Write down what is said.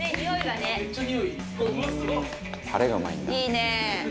いいね。